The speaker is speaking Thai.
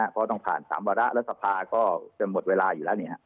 เพราะต้องผ่าน๓วาระแล้วสภาก็จะหมดเวลาอยู่แล้ว